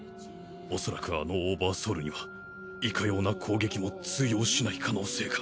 恐らくあのオーバーソウルにはいかような攻撃も通用しない可能性が。